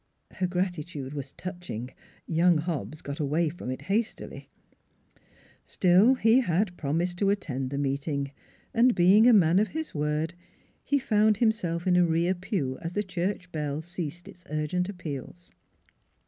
Her gratitude was touching; young Hobbs got away from it hastily. NEIGHBORS 269 Still he had promised to attend the meeting, and being a man of his word, he found himself in a rear pew as the church bell ceased its urgent appeals.